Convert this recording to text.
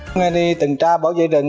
hôm nay đi tuần tra bảo vệ rừng